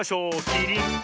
キリン！